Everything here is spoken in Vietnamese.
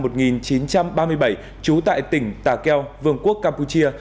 trú tại tỉnh tà keo vườn quốc campuchia